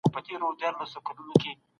تاسو په خپل وطن کي څه ډول ژوند غواړئ؟